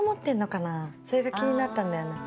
それが気になったんだよね。